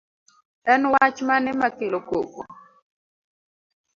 En wach mane makelo koko